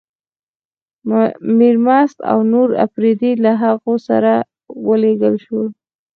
میرمست او نور اپرېدي له هغوی سره ولېږل شول.